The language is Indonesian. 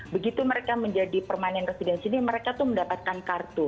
begitu mereka menjadi permanent resident sini mereka itu mendapatkan kartu